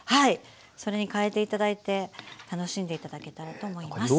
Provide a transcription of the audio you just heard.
それにかえて頂いて楽しんで頂けたらと思います。